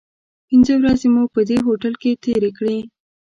پنځه ورځې مو په دې هوټل کې تیرې کړې.